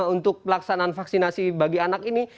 untuk pelaksanaan vaksinasi bagi anak ini